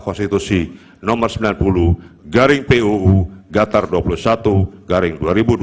konstitusi nomor sembilan puluh garing puu gatar dua puluh satu garing dua ribu dua puluh